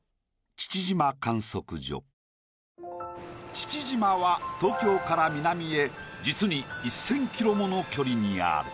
父島は東京から南へ実に１０００ｋｍもの距離にある。